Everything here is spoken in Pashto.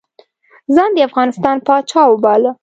ځان د افغانستان پاچا وباله.